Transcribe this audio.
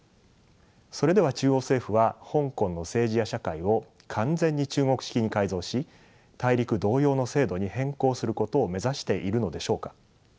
それでは中央政府は香港の政治や社会を完全に中国式に改造し大陸同様の制度に変更することを目指しているのでしょうか。